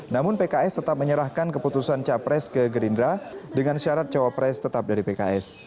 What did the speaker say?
namun pks tetap menyerahkan keputusan capres ke gerindra dengan syarat cawapres tetap dari pks